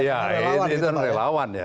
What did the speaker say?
ya ini adalah relawan ya